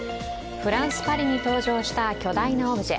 フランス・パリに登場した巨大なオブジェ。